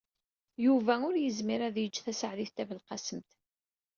Yuba ur yezmir ad yejj Taseɛdit Tabelqasemt.